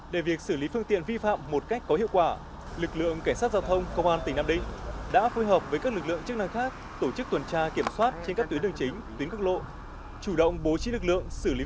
để việc xử lý phương tiện vi phạm một cách có hiệu quả lực lượng cảnh sát giao thông công an tỉnh nam định đã phối hợp với các lực lượng chức năng khác tổ chức tuần tra kiểm soát trên các tuyến đường chính tuyến cước lộ